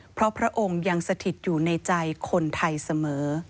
เพราะพระองค์ยังสถิตอยู่ในใจคนไทยเสมอ